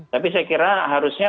tapi saya kira harusnya